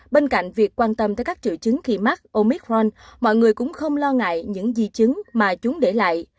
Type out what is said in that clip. bên cạnh việc quan tâm tới các triệu chứng khi mắc omic ron mọi người cũng không lo ngại những di chứng mà chúng để lại